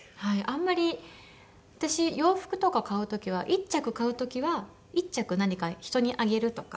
あんまり私洋服とか買う時は１着買う時は１着何か人にあげるとか。